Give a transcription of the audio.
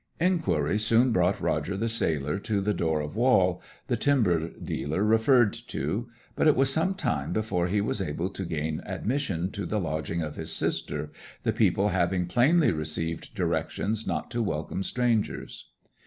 Inquiry soon brought Roger the sailor to the door of Wall, the timber dealer referred to, but it was some time before he was able to gain admission to the lodging of his sister, the people having plainly received directions not to welcome strangers.